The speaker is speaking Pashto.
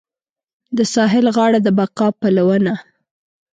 د ساحل غاړه د بقا پلونه